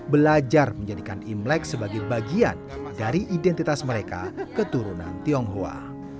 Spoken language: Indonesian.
belajar menjadikan imlek sebagai bagian dari identitas mereka keturunan tionghoa